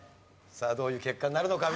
さあどういう結果になるのか？